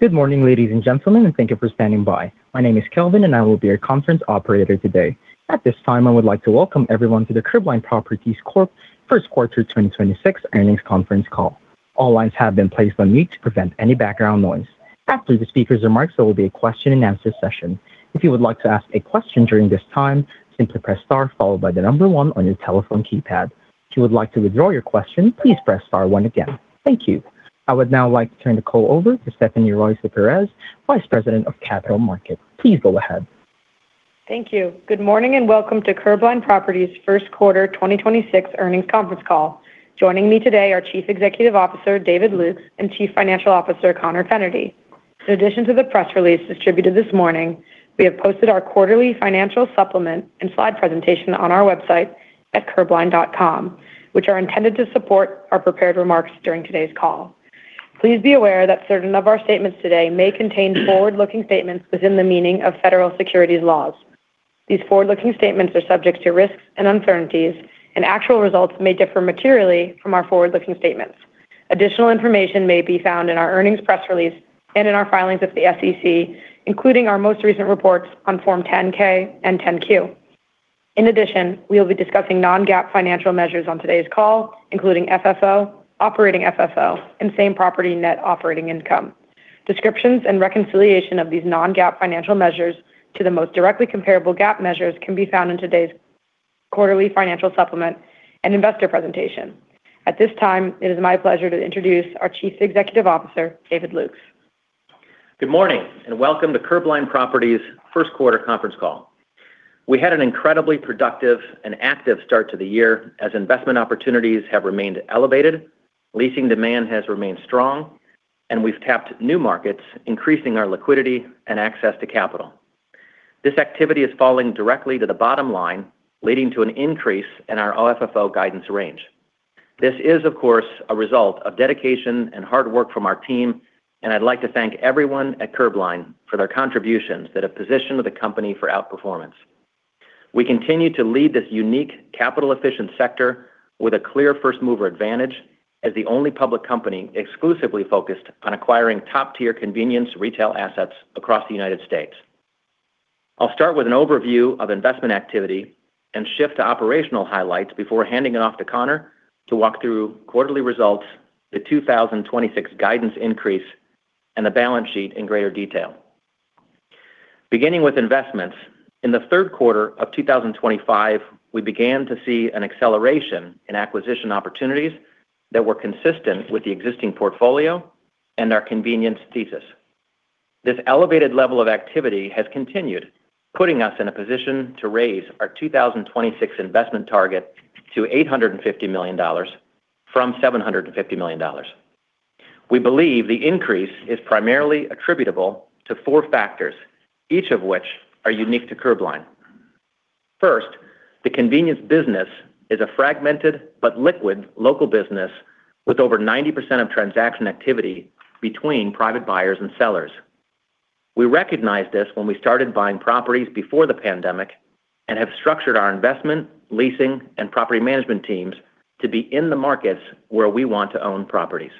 Good morning, ladies and gentlemen, and thank you for standing by. My name is Kelvin, and I will be your conference operator today. At this time, I would like to welcome everyone to the Curbline Properties Corp. First Quarter 2026 Earnings Conference Call. All lines have been placed on mute to prevent any background noise. After the speakers' remarks, there will be a question-and-answer session. If you would like to ask a question during this time, simply press star followed by the number one on your telephone keypad. If you would like to withdraw your question, please press star one again. Thank you. I would now like to turn the call over to Stephanie Ruys de Perez, Vice President of Capital Markets. Please go ahead. Thank you. Good morning and welcome to Curbline Properties First Quarter 2026 Earnings Conference Call. Joining me today are Chief Executive Officer, David Lukes, and Chief Financial Officer, Conor Fennerty. In addition to the press release distributed this morning, we have posted our quarterly financial supplement and slide presentation on our website at curbline.com, which are intended to support our prepared remarks during today's call. Please be aware that certain of our statements today may contain forward-looking statements within the meaning of federal securities laws. These forward-looking statements are subject to risks and uncertainties, and actual results may differ materially from our forward-looking statements. Additional information may be found in our earnings press release and in our filings with the SEC, including our most recent reports on Form 10-K and 10-Q. In addition, we will be discussing non-GAAP financial measures on today's call, including FFO, operating FFO, and same-property net operating income. Descriptions and reconciliation of these non-GAAP financial measures to the most directly comparable GAAP measures can be found in today's quarterly financial supplement and investor presentation. At this time, it is my pleasure to introduce our Chief Executive Officer, David Lukes. Good morning, welcome to Curbline Properties' first quarter conference call. We had an incredibly productive and active start to the year as investment opportunities have remained elevated, leasing demand has remained strong, and we've tapped new markets, increasing our liquidity and access to capital. This activity is falling directly to the bottom line, leading to an increase in our FFO guidance range. This is, of course, a result of dedication and hard work from our team, and I'd like to thank everyone at Curbline for their contributions that have positioned the company for outperformance. We continue to lead this unique capital-efficient sector with a clear first-mover advantage as the only public company exclusively focused on acquiring top-tier convenience retail assets across the U.S. I'll start with an overview of investment activity and shift to operational highlights before handing it off to Conor to walk through quarterly results, the 2026 guidance increase, and the balance sheet in greater detail. Beginning with investments, in the third quarter of 2025, we began to see an acceleration in acquisition opportunities that were consistent with the existing portfolio and our convenience thesis. This elevated level of activity has continued, putting us in a position to raise our 2026 investment target to $850 million from $750 million. We believe the increase is primarily attributable to four factors, each of which are unique to Curbline. First, the convenience business is a fragmented but liquid local business with over 90% of transaction activity between private buyers and sellers. We recognized this when we started buying properties before the pandemic and have structured our investment, leasing, and property management teams to be in the markets where we want to own properties.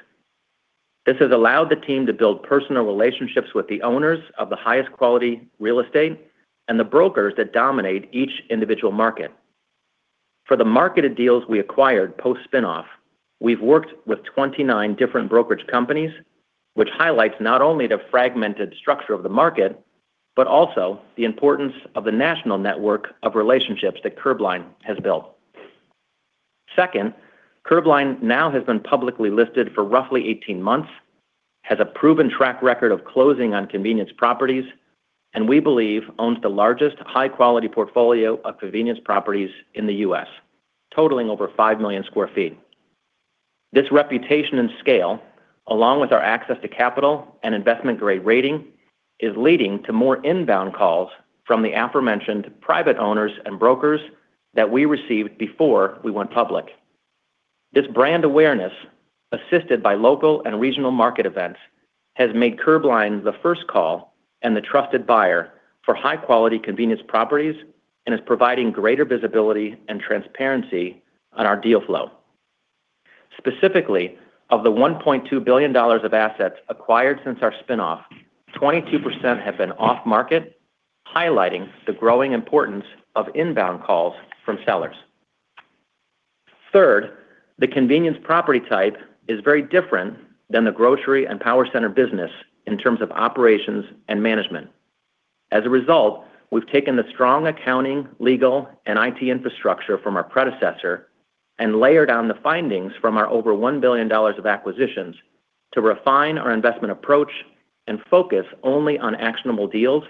This has allowed the team to build personal relationships with the owners of the highest quality real estate and the brokers that dominate each individual market. For the marketed deals we acquired post-spin-off, we've worked with 29 different brokerage companies, which highlights not only the fragmented structure of the market, but also the importance of the national network of relationships that Curbline has built. Second, Curbline now has been publicly listed for roughly 18 months, has a proven track record of closing on convenience properties, and we believe owns the largest high-quality portfolio of convenience properties in the U.S., totaling over 5 million sq ft. This reputation and scale, along with our access to capital and investment-grade rating, is leading to more inbound calls from the aforementioned private owners and brokers that we received before we went public. This brand awareness, assisted by local and regional market events, has made Curbline the first call and the trusted buyer for high-quality convenience properties and is providing greater visibility and transparency on our deal flow. Specifically, of the $1.2 billion of assets acquired since our spin-off, 22% have been off-market, highlighting the growing importance of inbound calls from sellers. Third, the convenience property type is very different than the grocery and power center business in terms of operations and management. As a result, we've taken the strong accounting, legal, and IT infrastructure from our predecessor and layered on the findings from our over $1 billion of acquisitions to refine our investment approach and focus only on actionable deals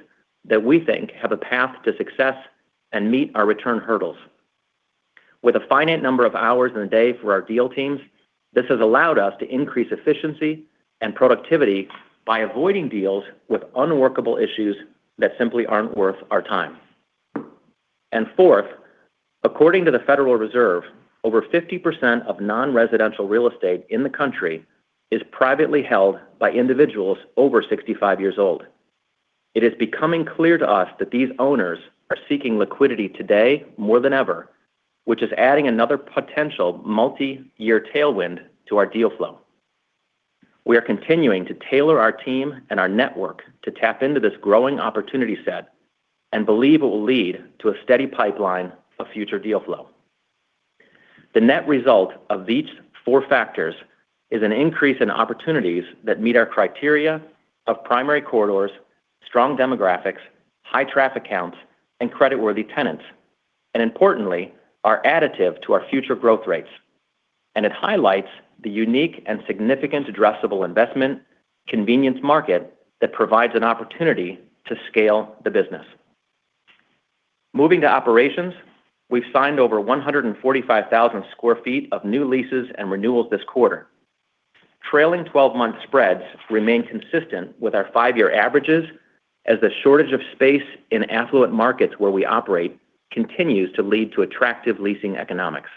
that we think have a path to success and meet our return hurdles. With a finite number of hours in the day for our deal teams, this has allowed us to increase efficiency and productivity by avoiding deals with unworkable issues that simply aren't worth our time. Fourth, according to the Federal Reserve, over 50% of non-residential real estate in the country is privately held by individuals over 65 years old. It is becoming clear to us that these owners are seeking liquidity today more than ever, which is adding another potential multi-year tailwind to our deal flow. We are continuing to tailor our team and our network to tap into this growing opportunity set and believe it will lead to a steady pipeline of future deal flow. The net result of these four factors is an increase in opportunities that meet our criteria of primary corridors, strong demographics, high traffic counts, and creditworthy tenants, and importantly, are additive to our future growth rates. It highlights the unique and significant addressable investment convenience market that provides an opportunity to scale the business. Moving to operations, we've signed over 145,000 sq ft of new leases and renewals this quarter. Trailing 12-month spreads remain consistent with our five-year averages as the shortage of space in affluent markets where we operate continues to lead to attractive leasing economics.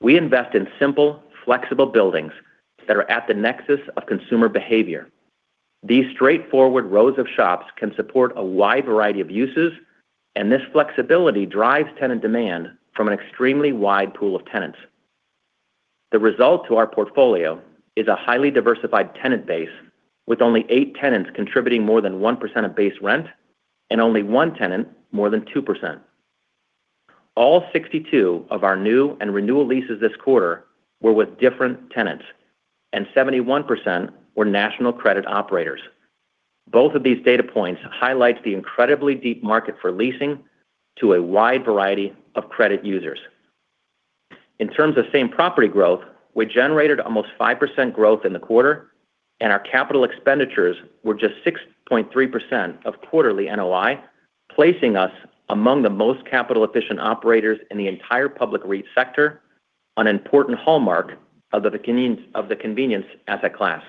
We invest in simple, flexible buildings that are at the nexus of consumer behavior. These straightforward rows of shops can support a wide variety of uses, and this flexibility drives tenant demand from an extremely wide pool of tenants. The result to our portfolio is a highly diversified tenant base with only eight tenants contributing more than 1% of base rent and only one tenant more than 2%. All 62 of our new and renewal leases this quarter were with different tenants, and 71% were national credit operators. Both of these data points highlights the incredibly deep market for leasing to a wide variety of credit users. In terms of same-property growth, we generated almost 5% growth in the quarter, and our capital expenditures were just 6.3% of quarterly NOI, placing us among the most capital-efficient operators in the entire public REIT sector, an important hallmark of the convenience asset class.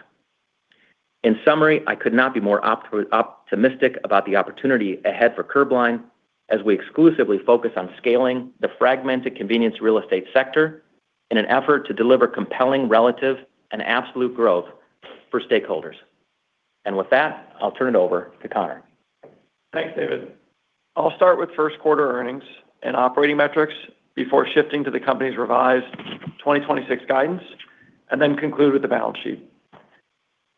In summary, I could not be more optimistic about the opportunity ahead for Curbline as we exclusively focus on scaling the fragmented convenience real estate sector in an effort to deliver compelling relative and absolute growth for stakeholders. With that, I'll turn it over to Conor. Thanks, David. I'll start with first quarter earnings and operating metrics before shifting to the company's revised 2026 guidance, and then conclude with the balance sheet.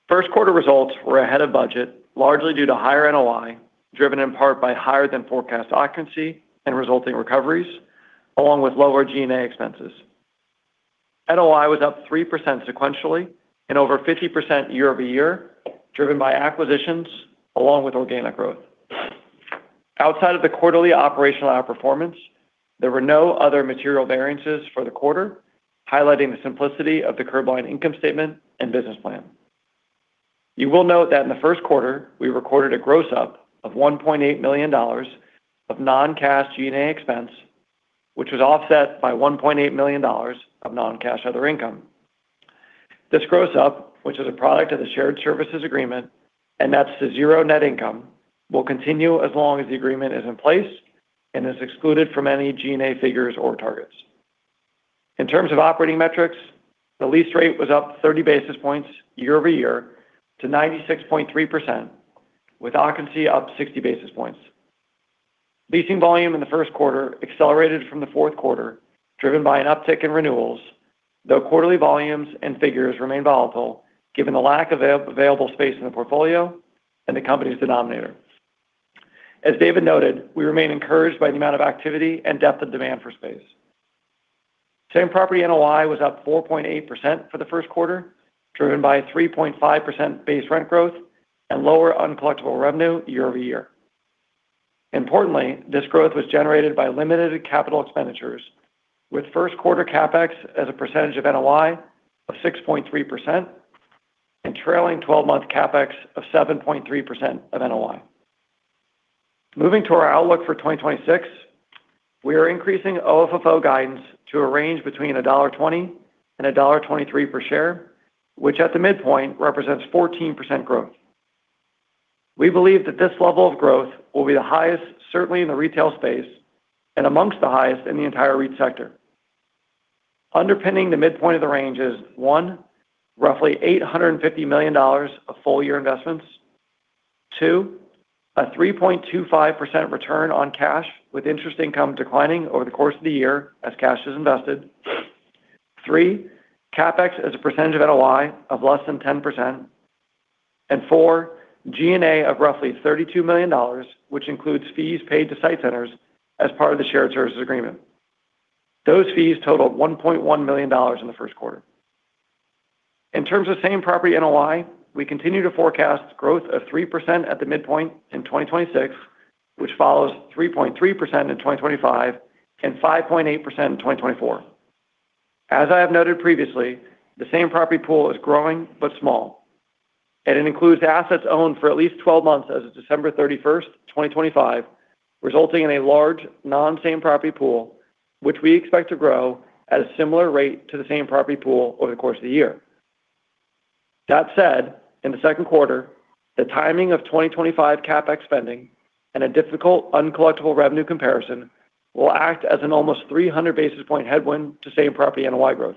First quarter results were ahead of budget, largely due to higher NOI, driven in part by higher than forecast occupancy and resulting recoveries, along with lower G&A expenses. NOI was up 3% sequentially and over 50% year-over-year, driven by acquisitions along with organic growth. Outside of the quarterly operational outperformance, there were no other material variances for the quarter, highlighting the simplicity of the Curbline income statement and business plan. You will note that in the first quarter, we recorded a gross-up of $1.8 million of non-cash G&A expense, which was offset by $1.8 million of non-cash other income. This gross-up, which is a product of the shared services agreement, and that's the zero net income, will continue as long as the agreement is in place and is excluded from any G&A figures or targets. In terms of operating metrics, the lease rate was up 30 basis points year-over-year to 96.3%, with occupancy up 60 basis points. Leasing volume in the first quarter accelerated from the fourth quarter, driven by an uptick in renewals, though quarterly volumes and figures remain volatile given the lack of available space in the portfolio and the company's denominator. As David noted, we remain encouraged by the amount of activity and depth of demand for space. Same-property NOI was up 4.8% for the first quarter, driven by 3.5% base rent growth and lower uncollectible revenue year-over-year. Importantly, this growth was generated by limited capital expenditures, with first quarter CapEx as a percentage of NOI of 6.3% and trailing 12-month CapEx of 7.3% of NOI. Moving to our outlook for 2026, we are increasing FFO guidance to a range between $1.20 and $1.23 per share, which at the midpoint represents 14% growth. We believe that this level of growth will be the highest certainly in the retail space and amongst the highest in the entire REIT sector. Underpinning the midpoint of the range is, our, roughly $850 million of full-year investments. Two, a 3.25% return on cash with interest income declining over the course of the year as cash is invested. Three, CapEx as a percentage of NOI of less than 10%. Four, G&A of roughly $32 million, which includes fees paid to SITE Centers as part of the shared services agreement. Those fees totaled $1.1 million in the first quarter. In terms of same-property NOI, we continue to forecast growth of 3% at the midpoint in 2026, which follows 3.3% in 2025 and 5.8% in 2024. As I have noted previously, the same-property pool is growing but small, and it includes assets owned for at least 12 months as of December 31st, 2025, resulting in a large non-same-property pool, which we expect to grow at a similar rate to the same-property pool over the course of the year. That said, in the second quarter, the timing of 2025 CapEx spending and a difficult uncollectible revenue comparison will act as an almost 300 basis point headwind to same-property NOI growth.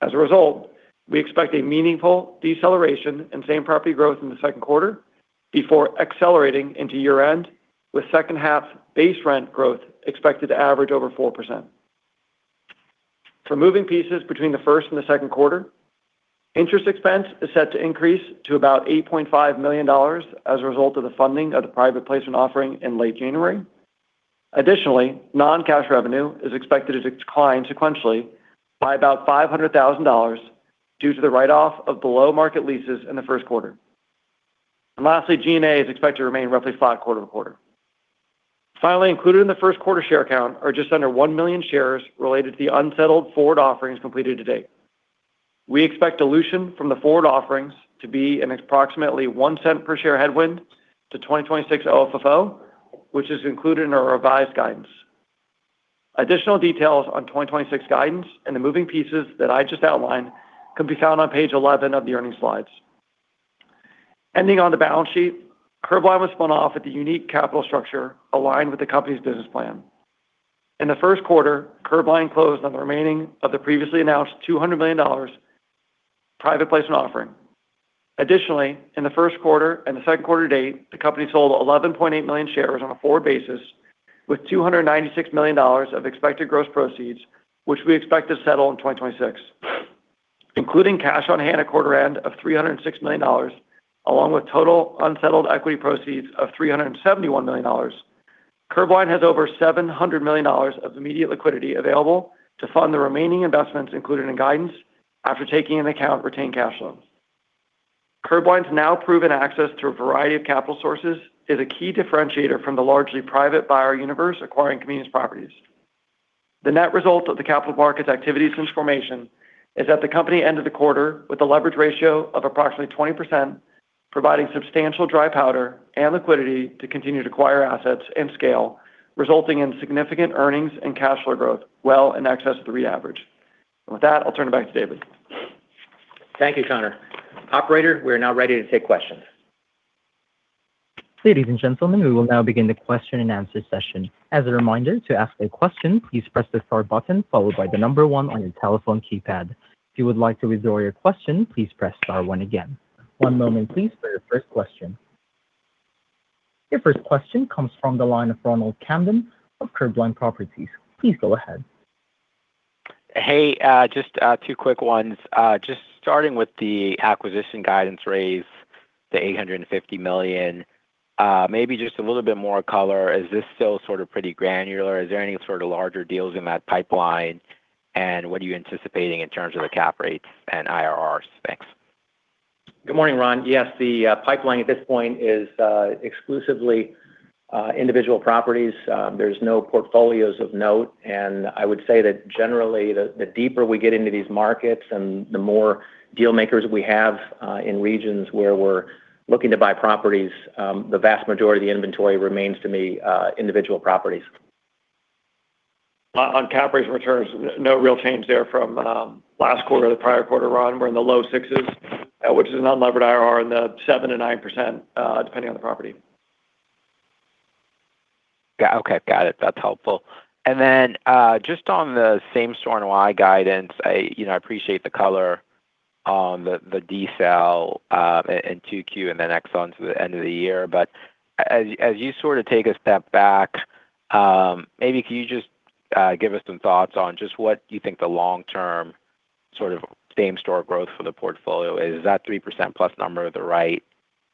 As a result, we expect a meaningful deceleration in same property growth in the second quarter before accelerating into year-end with second half base rent growth expected to average over 4%. For moving pieces between the first and the second quarter, interest expense is set to increase to about $8.5 million as a result of the funding of the private placement offering in late January. Additionally, non-cash revenue is expected to decline sequentially by about $500,000 due to the write-off of below market leases in the first quarter. Lastly, G&A is expected to remain roughly flat quarter-to-quarter. Included in the first quarter share count are just under one million shares related to the unsettled forward offerings completed to date. We expect dilution from the forward offerings to be an approximately $0.01 per share headwind to 2026 FFO, which is included in our revised guidance. Additional details on 2026 guidance and the moving pieces that I just outlined can be found on page 11 of the earnings slides. Ending on the balance sheet, Curbline was spun off with the unique capital structure aligned with the company's business plan. In the first quarter, Curbline closed on the remaining of the previously announced $200 million private placement offering. In the first quarter and the second quarter-to-date, the company sold 11.8 million shares on a forward basis with $296 million of expected gross proceeds, which we expect to settle in 2026. Including cash on hand at quarter end of $306 million, along with total unsettled equity proceeds of $371 million, Curbline has over $700 million of immediate liquidity available to fund the remaining investments included in guidance after taking into account retained cash loans. Curbline's now proven access to a variety of capital sources is a key differentiator from the largely private buyer universe acquiring convenience properties. The net result of the capital markets activities transformation is that the company ended the quarter with a leverage ratio of approximately 20%, providing substantial dry powder and liquidity to continue to acquire assets and scale, resulting in significant earnings and cash flow growth well in excess of the REIT average. With that, I'll turn it back to David. Thank you, Conor. Operator, we are now ready to take questions. Ladies and gentlemen, we will now begin the question and answer session. As a reminder, to ask a question, please press the star button followed by one on your telephone keypad. If you would like to withdraw your question, please press star one again. One moment, please, for your first question. Your first question comes from the line of Ronald Kamdem of Curbline Properties. Please go ahead. Hey, just, two quick ones. just starting with the acquisition guidance raise to $850 million, maybe just a little bit more color. Is this still sort of pretty granular? Is there any sort of larger deals in that pipeline? What are you anticipating in terms of the cap rates and IRRs? Thanks. Good morning, Ron. Yes, the pipeline at this point is exclusively individual properties. There's no portfolios of note. I would say that generally the deeper we get into these markets and the more deal makers we have in regions where we're looking to buy properties, the vast majority of the inventory remains to me individual properties. On cap rates and returns, no real change there from last quarter to prior quarter, Ron. We're in the low sixes, which is an unlevered IRR in the 7%-9%, depending on the property. Got it. Okay. Got it. That's helpful. Then, just on the same-property NOI guidance, I, I appreciate the color on the decel, in 2Q and then Exxon to the end of the year. As you sort of take a step back, maybe can you just give us some thoughts on just what you think the long-term sort of same store growth for the portfolio is? Is that 3% plus number the right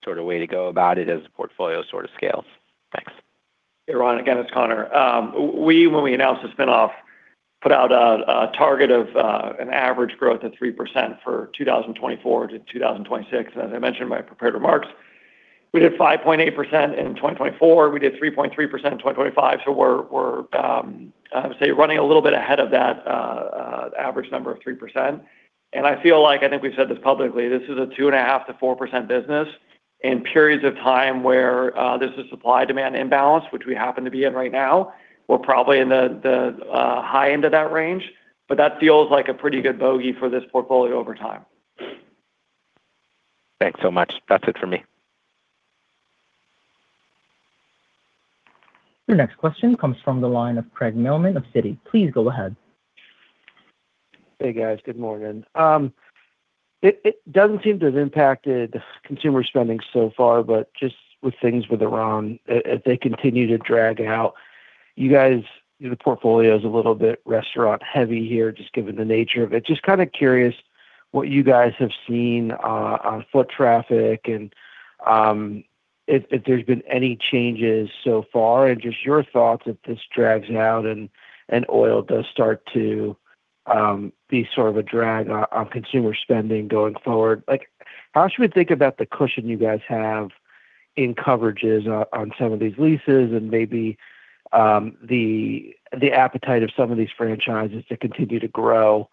sort of way to go about it as the portfolio sort of scales? Thanks. Hey, Ron, again, it's Conor. We, when we announced the spin-off, put out a target of an average growth of 3% for 2024-2026. As I mentioned in my prepared remarks, we did 5.8% in 2024. We did 3.3% in 2025. We're running a little bit ahead of that average number of 3%. I feel like, I think we've said this publicly, this is a 2.5%-4% business. In periods of time where there's a supply-demand imbalance, which we happen to be in right now, we're probably in the high end of that range. That feels like a pretty good bogey for this portfolio over time. Thanks so much. That's it for me. Your next question comes from the line of Craig Mailman of Citi. Please go ahead. Hey, guys. Good morning. It doesn't seem to have impacted consumer spending so far, but just with things with Iran, if they continue to drag out, you guys, the portfolio is a little bit restaurant heavy here, just given the nature of it. Just kind of curious what you guys have seen on foot traffic and if there's been any changes so far and just your thoughts if this drags out and oil does start to be sort of a drag on consumer spending going forward. Like, how should we think about the cushion you guys have in coverages on some of these leases and maybe the appetite of some of these franchises to continue to grow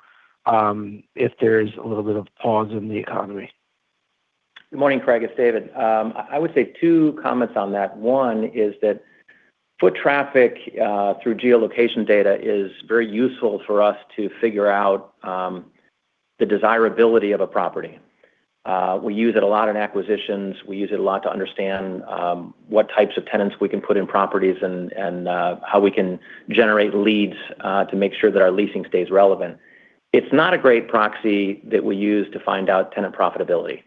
if there is a little bit of pause in the economy? Good morning, Craig. It's David. I would say two comments on that. One is that foot traffic through geolocation data is very useful for us to figure out the desirability of a property. We use it a lot in acquisitions. We use it a lot to understand what types of tenants we can put in properties and how we can generate leads to make sure that our leasing stays relevant. It's not a great proxy that we use to find out tenant profitability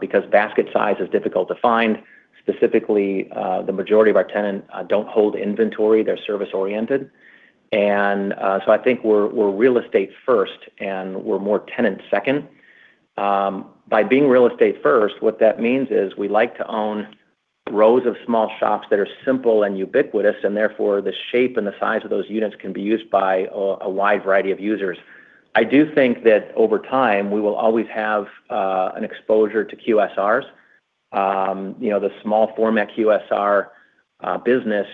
because basket size is difficult to find. Specifically, the majority of our tenants don't hold inventory. They're service-oriented. I think we're real estate first, and we're more tenant second. By being real estate first, what that means is we like to own rows of small shops that are simple and ubiquitous, and therefore, the shape and the size of those units can be used by a wide variety of users. I do think that over time we will always have an exposure to QSRs. The small format QSR business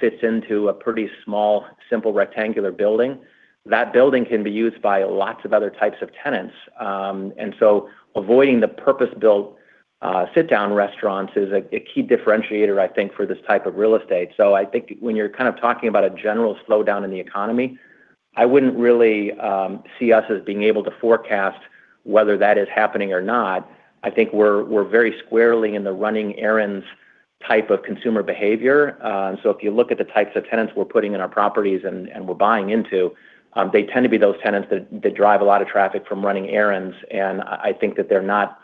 fits into a pretty small, simple rectangular building. That building can be used by lots of other types of tenants. Avoiding the purpose-built sit-down restaurants is a key differentiator, I think, for this type of real estate. I think when you're kind of talking about a general slowdown in the economy, I wouldn't really see us as being able to forecast whether that is happening or not. I think we're very squarely in the running errands type of consumer behavior. If you look at the types of tenants we're putting in our properties and we're buying into, they tend to be those tenants that drive a lot of traffic from running errands. I think that they're not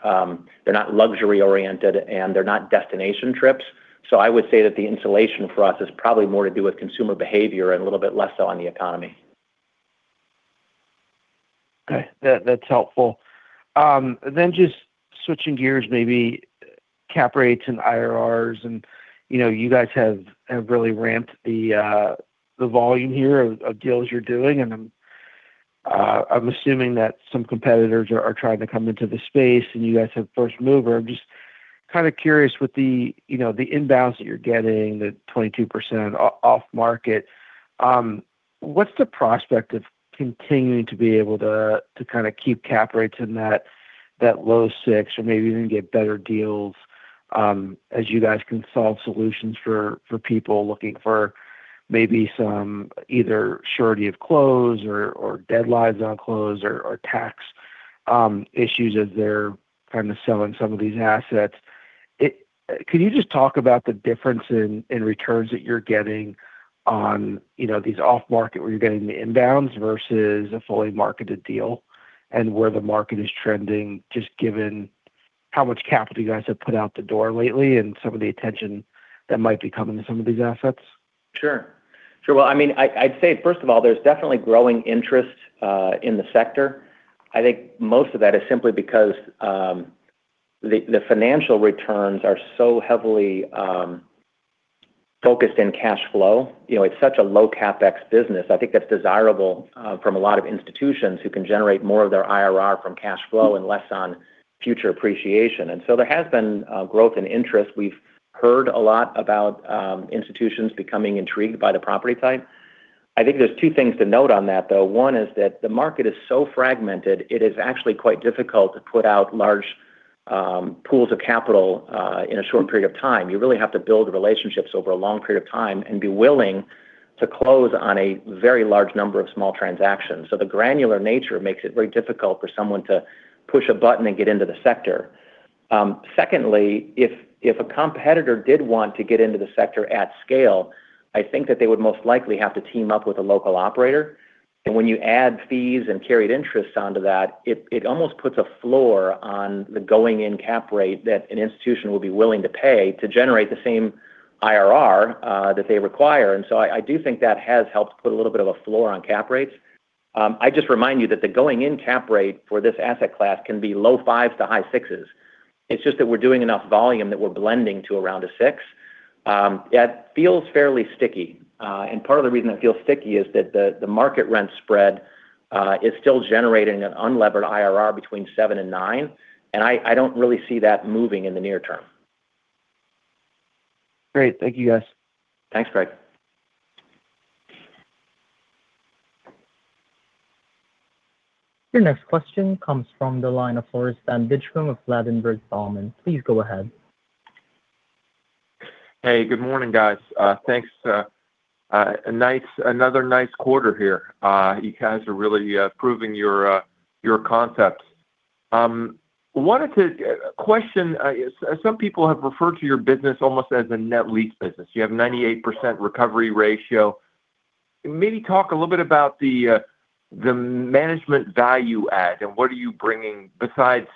luxury-oriented, and they're not destination trips. I would say that the insulation for us is probably more to do with consumer behavior and a little bit less so on the economy. That's helpful. Just switching gears, maybe cap rates and IRRs, you guys have really ramped the volume here of deals you're doing. I'm assuming that some competitors are trying to come into the space, and you guys have first mover. I'm just kinda curious with the, the inbounds that you're getting, the 22% off-market, what's the prospect of continuing to be able to kinda keep cap rates in that low 6% or maybe even get better deals, as you guys can solve solutions for people looking for maybe some either surety of close or deadlines on close or tax issues as they're trying to sell in some of these assets. Could you just talk about the difference in returns that you're getting on, these off market where you're getting the inbounds versus a fully marketed deal and where the market is trending, just given how much capital you guys have put out the door lately and some of the attention that might be coming to some of these assets? Sure. Sure. I mean, I'd say first of all, there's definitely growing interest in the sector. I think most of that is simply because the financial returns are so heavily focused in cash flow. It's such a low CapEx business. I think that's desirable from a lot of institutions who can generate more of their IRR from cash flow and less on future appreciation. There has been growth and interest. We've heard a lot about institutions becoming intrigued by the property type. I think there's two things to note on that, though. One is that the market is so fragmented, it is actually quite difficult to put out large pools of capital in a short period of time. You really have to build relationships over a long period of time and be willing to close on a very large number of small transactions. The granular nature makes it very difficult for someone to push a button and get into the sector. Secondly, if a competitor did want to get into the sector at scale, I think that they would most likely have to team up with a local operator. When you add fees and carried interest onto that, it almost puts a floor on the going-in cap rate that an institution will be willing to pay to generate the same IRR that they require. I do think that has helped put a little bit of a floor on cap rates. I just remind you that the going-in cap rate for this asset class can be low 5%-high 6%. It's just that we're doing enough volume that we're blending to around 6%. That feels fairly sticky. Part of the reason it feels sticky is that the market rent spread is still generating an unlevered IRR between 7%-9%, and I don't really see that moving in the near term. Great. Thank you, guys. Thanks, Craig. Your next question comes from the line of Floris van Dijkum of Ladenburg Thalmann. Please go ahead. Hey, good morning, guys. thanks. another nice quarter here. you guys are really proving your concepts. wanted to question, some people have referred to your business almost as a net lease business. You have 98% recovery ratio. Maybe talk a little bit about the management value add and what are you bringing besides,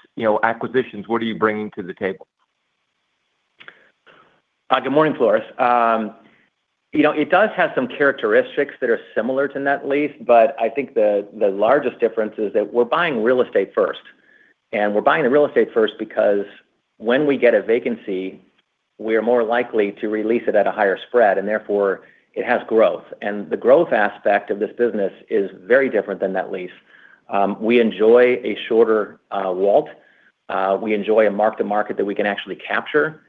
acquisitions, what are you bringing to the table? Good morning, Floris. It does have some characteristics that are similar to net lease, but I think the largest difference is that we're buying real estate first. We're buying the real estate first because when we get a vacancy, we are more likely to re-lease it at a higher spread, and therefore, it has growth. The growth aspect of this business is very different than net lease. We enjoy a shorter, WALT. We enjoy a mark to market that we can actually capture.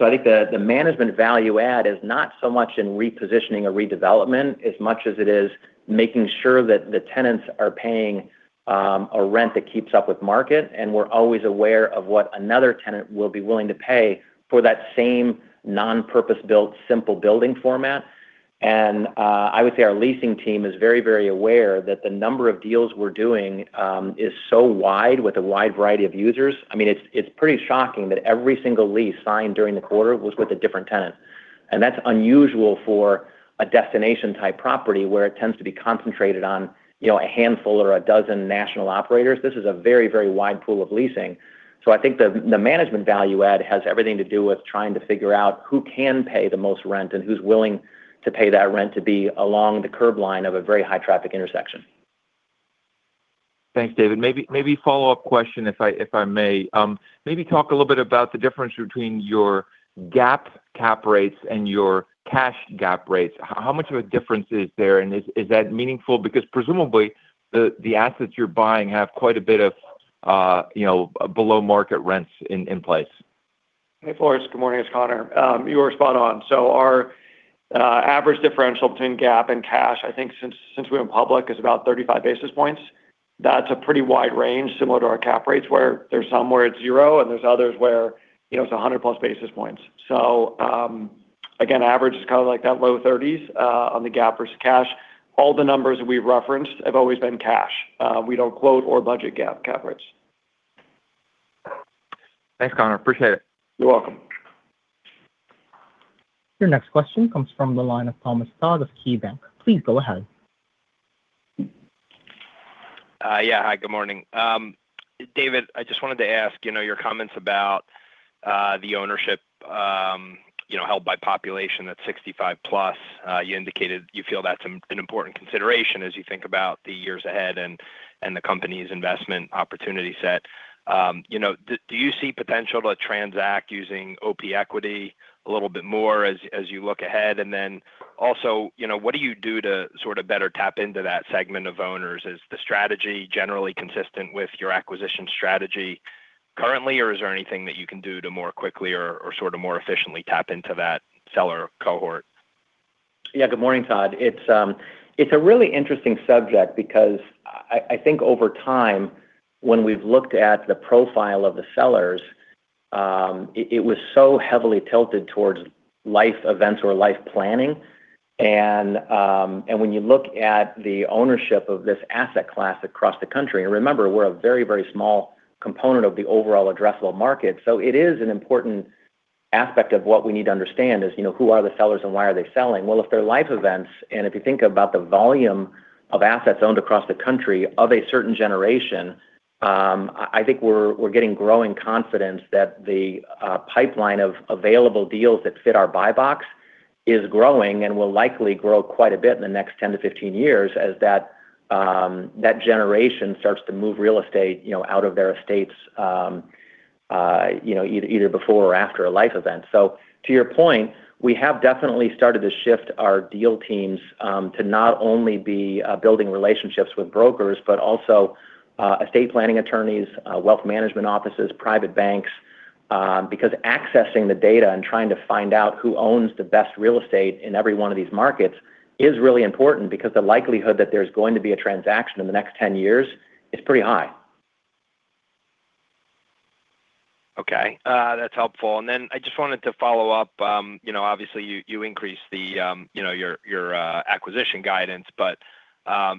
I think the management value add is not so much in repositioning or redevelopment as much as it is making sure that the tenants are paying a rent that keeps up with market, and we're always aware of what another tenant will be willing to pay for that same non-purpose-built, simple building format. I would say our leasing team is very, very aware that the number of deals we're doing is so wide with a wide variety of users. I mean, it's pretty shocking that every single lease signed during the quarter was with a different tenant. That's unusual for a destination-type property where it tends to be concentrated on, a handful or a dozen national operators. This is a very, very wide pool of leasing. I think the management value add has everything to do with trying to figure out who can pay the most rent and who's willing to pay that rent to be along the curb line of a very high traffic intersection. Thanks, David. Maybe a follow-up question if I may. Maybe talk a little bit about the difference between your GAAP cap rates and your cash GAAP rates. How much of a difference is there, and is that meaningful? Presumably, the assets you're buying have quite a bit of, below market rents in place. Hey, Floris. Good morning. It's Conor. You are spot on. Our average differential between GAAP and cash, I think since we went public is about 35 basis points. That's a pretty wide range similar to our cap rates where there's some where it's zero, and there's others where, it's 100+ basis points. Again, average is kind of like that low thirties on the GAAP versus cash. All the numbers we referenced have always been cash. We don't quote or budget GAAP cap rates. Thanks, Conor. Appreciate it. You're welcome. Your next question comes from the line of Todd Thomas of KeyBank. Please go ahead. Yeah. Hi, good morning. David, I just wanted to ask, your comments about the ownership, held by population that's 65+. You indicated you feel that's an important consideration as you think about the years ahead and the company's investment opportunity set. Do you see potential to transact using OP Equity a little bit more as you look ahead? Then also, what do you do to sort of better tap into that segment of owners? Is the strategy generally consistent with your acquisition strategy currently, or is there anything that you can do to more quickly or sort of more efficiently tap into that seller cohort? Yeah. Good morning, Todd. It's a really interesting subject because I think over time when we've looked at the profile of the sellers, it was so heavily tilted towards life events or life planning. When you look at the ownership of this asset class across the country, and remember, we're a very, very small component of the overall addressable market. It is an important aspect of what we need to understand is, who are the sellers and why are they selling? Well, if they're life events, if you think about the volume of assets owned across the country of a certain generation, I think we're getting growing confidence that the pipeline of available deals that fit our buy box is growing and will likely grow quite a bit in the next 10-15 years as that generation starts to move real estate, out of their estates, either before or after a life event. To your point, we have definitely started to shift our deal teams to not only be building relationships with brokers, but also estate planning attorneys, wealth management offices, private banks, because accessing the data and trying to find out who owns the best real estate in every one of these markets is really important because the likelihood that there's going to be a transaction in the next 10 years is pretty high. Okay. That's helpful. I just wanted to follow up. Obviously you increased the, your acquisition guidance.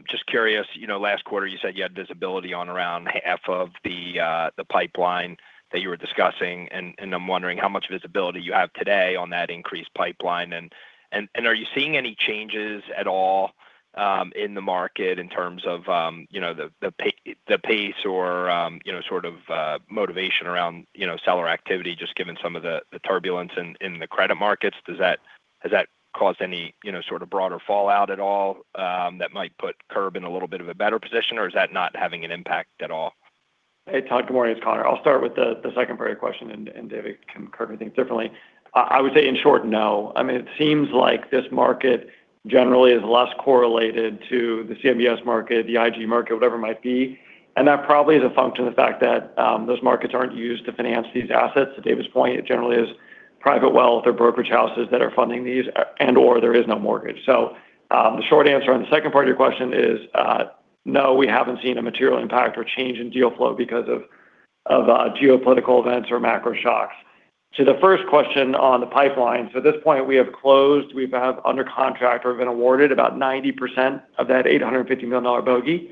Just curious, last quarter you said you had visibility on around half of the pipeline that you were discussing. I'm wondering how much visibility you have today on that increased pipeline. Are you seeing any changes at all in the market in terms of, the pace or, sort of motivation around, seller activity just given some of the turbulence in the credit markets? Does that has that caused any, sort of, broader fallout at all, that might put Curbline in a little bit of a better position, or is that not having an impact at all? Hey, Todd. Good morning. It's Conor. I'll start with the secondary question, and David can correct me if differently. I would say in short, no. I mean, it seems like this market generally is less correlated to the CMBS market, the IG market, whatever it might be. That probably is a function of the fact that those markets aren't used to finance these assets. To David's point, it generally is private wealth or brokerage houses that are funding these, and/or there is no mortgage. The short answer on the second part of your question is, no, we haven't seen a material impact or change in deal flow because of geopolitical events or macro shocks. To the first question on the pipeline. At this point, we have closed, we have under contract or been awarded about 90% of that $850 million bogey.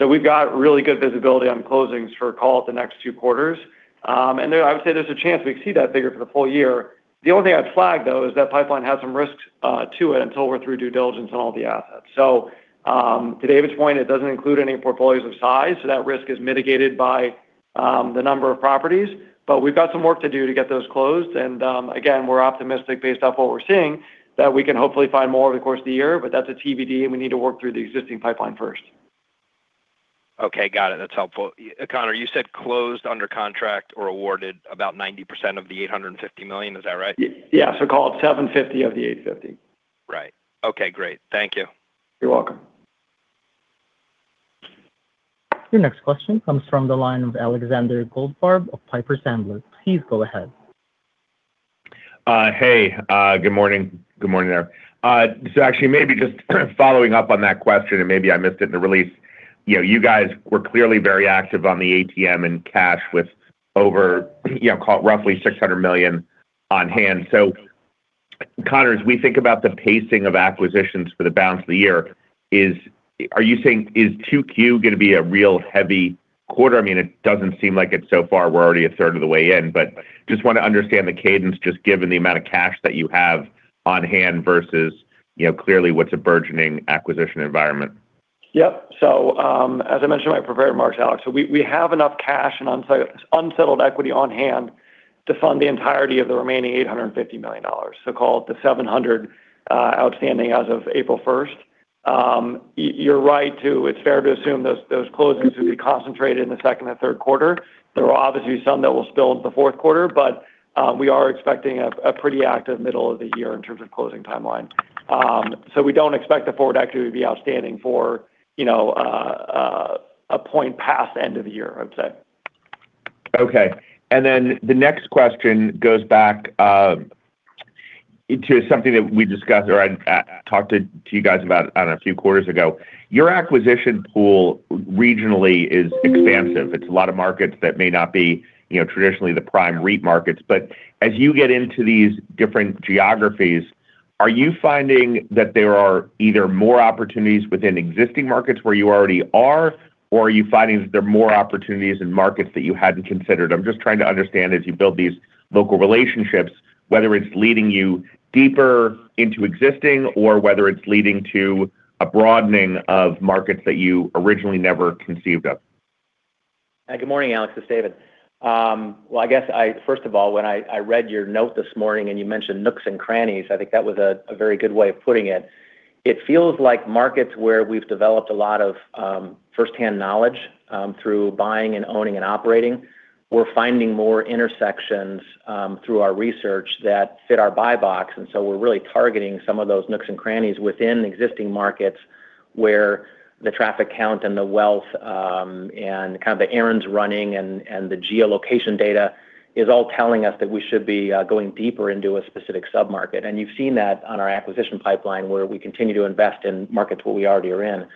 We've got really good visibility on closings for call it the next two quarters. I would say there's a chance we exceed that figure for the full year. The only thing I'd flag though is that pipeline has some risks to it until we're through due diligence on all the assets. To David's point, it doesn't include any portfolios of size, so that risk is mitigated by the number of properties. We've got some work to do to get those closed. Again, we're optimistic based off what we're seeing that we can hopefully find more over the course of the year, but that's a TBD, and we need to work through the existing pipeline first. Okay. Got it. That's helpful. Conor, you said closed under contract or awarded about 90% of the $850 million. Is that right? Yeah. Call it $750 of the $850. Right. Okay, great. Thank you. You're welcome. Your next question comes from the line of Alexander Goldfarb of Piper Sandler. Please go ahead. Hey. Good morning. Good morning there. Actually maybe just following up on that question, and maybe I missed it in the release. You guys were clearly very active on the ATM and cash with over, roughly $600 million on hand. Conor, as we think about the pacing of acquisitions for the balance of the year, Are you saying is 2Q gonna be a real heavy quarter? I mean, it doesn't seem like it so far. We're already a third of the way in. Just wanna understand the cadence, just given the amount of cash that you have on hand versus, clearly what's a burgeoning acquisition environment. Yep. As I mentioned in my prepared remarks, Alex, we have enough cash and unsettled equity on hand to fund the entirety of the remaining $850 million, call it the $700 outstanding as of April first. You're right to assume those closings will be concentrated in the second and third quarter. There are obviously some that will spill into the fourth quarter, but we are expecting a pretty active middle of the year in terms of closing timeline. We don't expect the forward equity to be outstanding for, a point past the end of the year, I'd say. Okay. The next question goes back into something that we discussed or I'd talked to you guys about, I don't know, a few quarters ago. Your acquisition pool regionally is expansive. It's a lot of markets that may not be, traditionally the prime REIT markets. As you get into these different geographies, are you finding that there are either more opportunities within existing markets where you already are, or are you finding that there are more opportunities in markets that you hadn't considered? I'm just trying to understand as you build these local relationships, whether it's leading you deeper into existing or whether it's leading to a broadening of markets that you originally never conceived of. Good morning, Alex. This is David. Well, First of all, when I read your note this morning and you mentioned nooks and crannies, I think that was a very good way of putting it. It feels like markets where we've developed a lot of first-hand knowledge, through buying and owning and operating. We're finding more intersections, through our research that fit our buy box. So we're really targeting some of those nooks and crannies within existing markets where the traffic count and the wealth, and kind of the errands running and the geolocation data is all telling us that we should be going deeper into a specific sub-market. You've seen that on our acquisition pipeline where we continue to invest in markets where we already are in.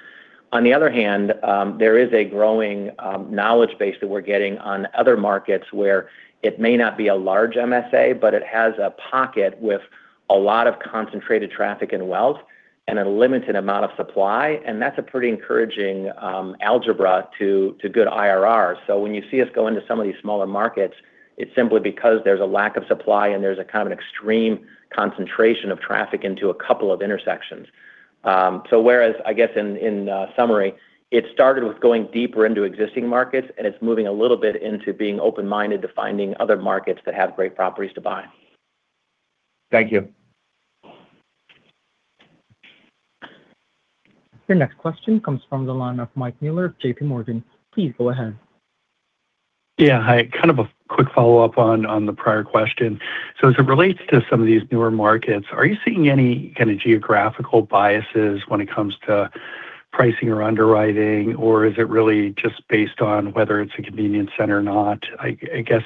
On the other hand, there is a growing knowledge base that we're getting on other markets where it may not be a large MSA, but it has a pocket with a lot of concentrated traffic and wealth and a limited amount of supply. That's a pretty encouraging algebra to good IRRs. When you see us go into some of these smaller markets, it's simply because there's a lack of supply, and there's a kind of an extreme concentration of traffic into a couple of intersections. Whereas I guess in summary, it started with going deeper into existing markets, and it's moving a little bit into being open-minded to finding other markets that have great properties to buy. Thank you. Your next question comes from the line of Michael Mueller of JPMorgan. Please go ahead. Yeah. Hi. Kind of a quick follow-up on the prior question. As it relates to some of these newer markets, are you seeing any kind of geographical biases when it comes to pricing or underwriting, or is it really just based on whether it's a convenience center or not? I guess,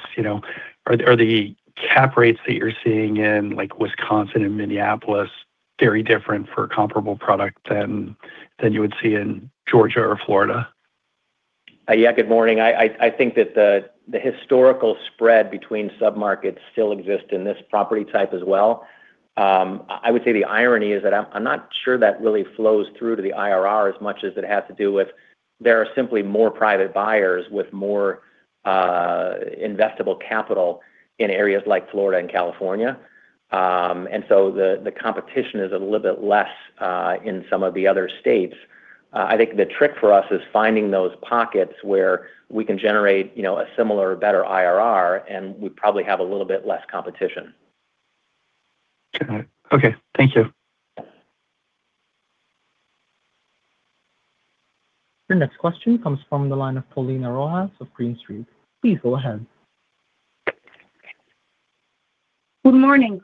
are the cap rates that you're seeing in like Wisconsin and Minneapolis very different for a comparable product than you would see in Georgia or Florida? Yeah. Good morning. I think that the historical spread between sub-markets still exist in this property type as well. I would say the irony is that I'm not sure that really flows through to the IRR as much as it has to do with there are simply more private buyers with more investable capital in areas like Florida and California. The competition is a little bit less in some of the other states. I think the trick for us is finding those pockets where we can generate, a similar or better IRR, and we probably have a little bit less competition. Got it. Okay. Thank you. Your next question comes from the line of Paulina Rojas of Green Street. Please go ahead. Good morning.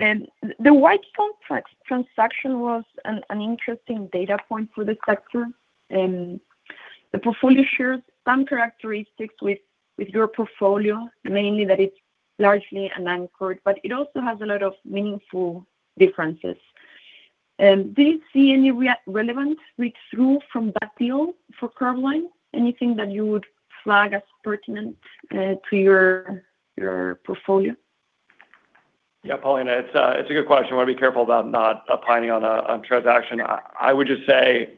The White Castle transaction was an interesting data point for the sector. The portfolio shares some characteristics with your portfolio, mainly that it's largely unanchored, but it also has a lot of meaningful differences. Do you see any relevant reach through from that deal for Curbline? Anything that you would flag as pertinent to your portfolio? Yeah. Paulina, it's a good question. Wanna be careful about not opining on a transaction. I would just say,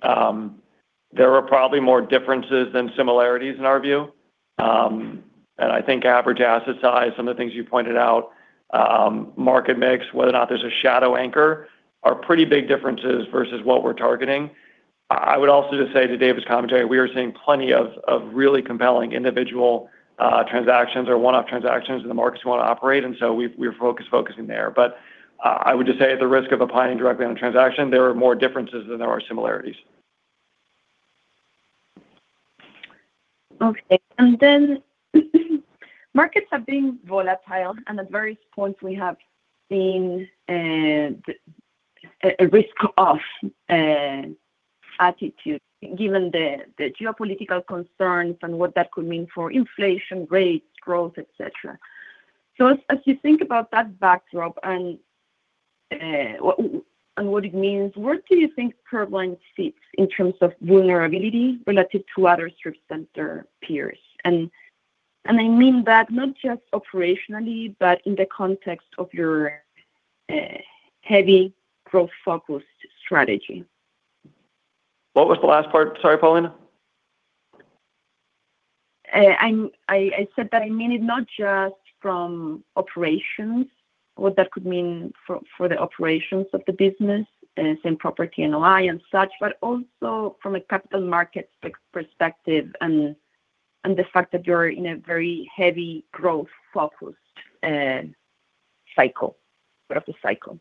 there are probably more differences than similarities in our view. I think average asset size, some of the things you pointed out, market mix, whether or not there's a shadow anchor are pretty big differences versus what we're targeting. I would also just say to David's commentary, we are seeing plenty of really compelling individual transactions or one-off transactions in the markets we wanna operate, so we're focusing there. I would just say at the risk of opining directly on a transaction, there are more differences than there are similarities. Okay. Markets have been volatile, and at various points we have seen a risk off attitude given the geopolitical concerns and what that could mean for inflation rates, growth, etcetera. As you think about that backdrop and What it means. Where do you think Curbline sits in terms of vulnerability relative to other strip center peers? I mean that not just operationally, but in the context of your heavy growth-focused strategy. What was the last part? Sorry, Paulina. I said that I mean it not just from operations, what that could mean for the operations of the business and same-property NOI and such, but also from a capital markets perspective and the fact that you're in a very heavy growth focused cycle. Part of the cycle.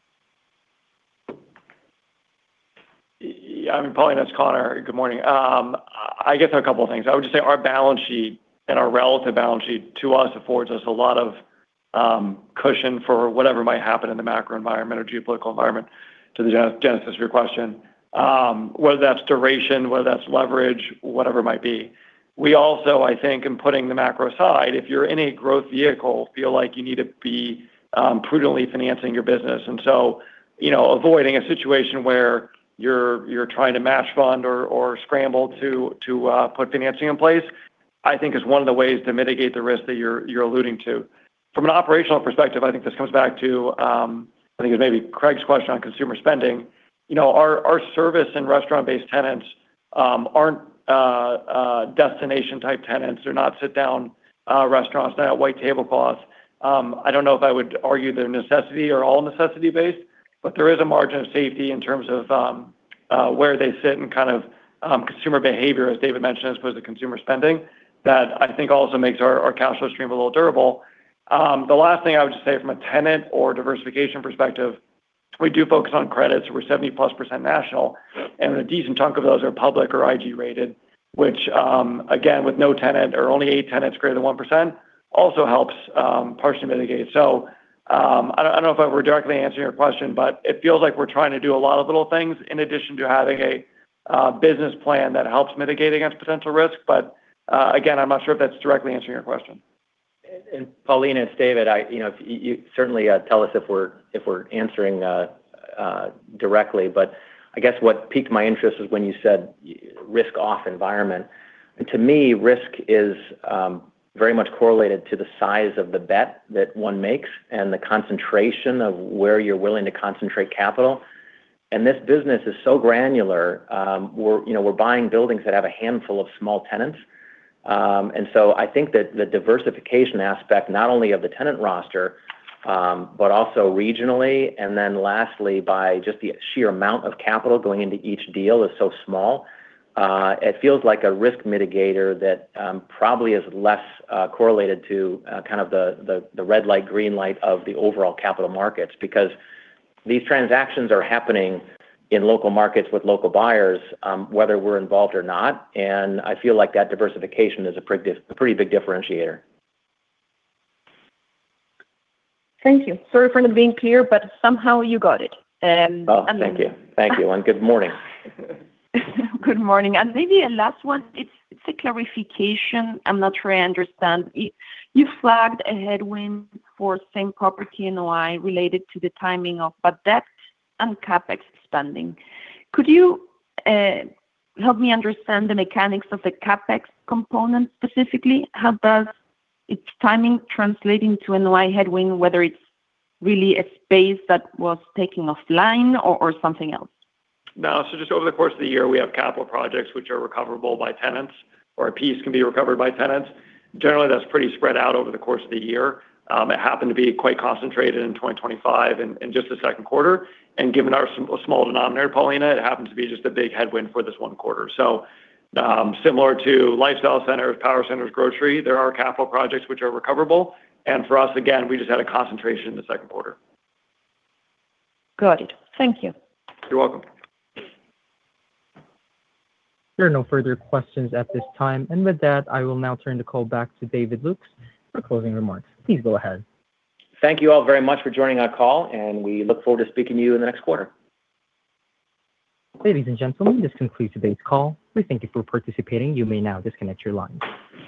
Yeah, I mean, Paulina, it's Conor. Good morning. I guess there are a couple of things. I would just say our balance sheet and our relative balance sheet to us affords us a lot of cushion for whatever might happen in the macro environment or geopolitical environment to the genesis of your question. Whether that's duration, whether that's leverage, whatever it might be. We also, I think, in putting the macro aside, if you're in a growth vehicle, feel like you need to be prudently financing your business. Avoiding a situation where you're trying to match fund or scramble to put financing in place, I think is one of the ways to mitigate the risk that you're alluding to. From an operational perspective, I think this comes back to, I think it may be Craig's question on consumer spending. Our service and restaurant-based tenants aren't destination type tenants. They're not sit down restaurants. They don't have white tablecloths. I don't know if I would argue they're necessity or all necessity-based, but there is a margin of safety in terms of where they sit and kind of consumer behavior, as David mentioned, as opposed to consumer spending. That I think also makes our cash flow stream a little durable. The last thing I would just say from a tenant or diversification perspective, we do focus on credits. We're 70% plus national. A decent chunk of those are public or IG rated, which, again, with no tenant or only eight tenants greater than 1% also helps, partially mitigate. I don't, I don't know if I've directly answered your question, but it feels like we're trying to do a lot of little things in addition to having a business plan that helps mitigate against potential risk. Again, I'm not sure if that's directly answering your question. Paulina, it's David. You certainly tell us if we're answering directly. I guess what piqued my interest was when you said risk off environment. To me, risk is very much correlated to the size of the bet that one makes and the concentration of where you're willing to concentrate capital. This business is so granular. We're, we're buying buildings that have a handful of small tenants. I think that the diversification aspect, not only of the tenant roster, but also regionally, and then lastly, by just the sheer amount of capital going into each deal is so small, it feels like a risk mitigator that probably is less correlated to kind of the red light, green light of the overall capital markets. Because these transactions are happening in local markets with local buyers, whether we're involved or not. I feel like that diversification is a pretty big differentiator. Thank you. Sorry for not being clear, but somehow you got it. Oh, thank you. Thank you. Good morning. Good morning. Maybe a last one. It's a clarification. I'm not sure I understand. You flagged a headwind for same-property NOI related to the timing of bad debt and CapEx spending. Could you help me understand the mechanics of the CapEx component specifically? How does its timing translating to NOI headwind, whether it's really a space that was taking offline or something else? No. Just over the course of the year, we have capital projects which are recoverable by tenants, or a piece can be recovered by tenants. Generally, that's pretty spread out over the course of the year. It happened to be quite concentrated in 2025 in just the second quarter. Given our small denominator, Paulina, it happens to be just a big headwind for this one quarter. Similar to lifestyle centers, power centers, grocery, there are capital projects which are recoverable. For us, again, we just had a concentration in the second quarter. Got it. Thank you. You're welcome. There are no further questions at this time. With that, I will now turn the call back to David Lukes for closing remarks. Please go ahead. Thank you all very much for joining our call. We look forward to speaking to you in the next quarter. Ladies and gentlemen, this concludes today's call. We thank you for participating. You may now disconnect your lines.